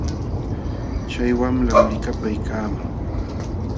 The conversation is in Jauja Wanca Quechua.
Chay wamlam likapaaykaaman.